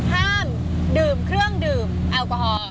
ห้ามรึห้องดื่มแอลกอฮอล์